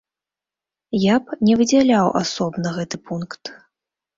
Я б не выдзяляў асобна гэты пункт.